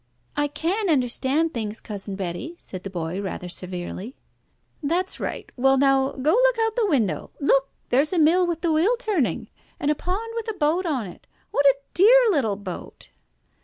"I can understand things, Cousin Betty," said the boy rather severely. "That's right. Well now, go and look out of the window. Look, there is a mill with the wheel turning, and a pond with a boat on it. What a dear little boat!"